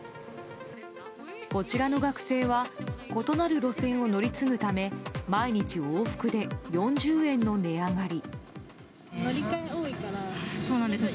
こちらの学生は異なる路線を乗り継ぐため毎日往復で４０円の値上がり。